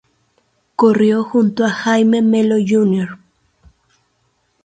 Corrió junto a Jaime Melo Jr.